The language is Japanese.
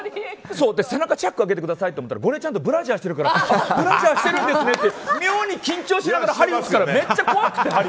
背中チャック開けてくださいって言ったら、ゴリエちゃんブラジャーしてるからブラジャーしてるんですねって妙に緊張しながら針を打つからめっちゃ怖くて。